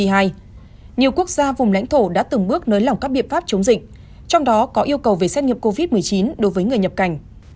nhiều quốc gia vùng lãnh thổ đã từng bước nới lỏng các biện pháp chống dịch trong đó có yêu cầu về xét nghiệm covid một mươi chín đối với người nhập cảnh